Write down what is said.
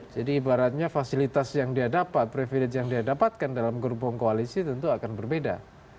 jadi ibaratnya fasilitas yang dia dapat preferensi yang dia dapatkan dalam gerbong koalisi tentu akan berbeda